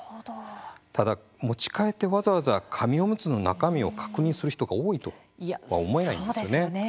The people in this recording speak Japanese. ただ、持ち帰ってわざわざ紙おむつの中身を確認する人がそうですよね。